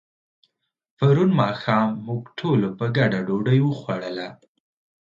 پرون ماښام موږ ټولو په ګډه ډوډۍ وخوړله.